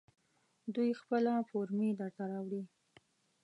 دوی خپله فورمې درته راوړي.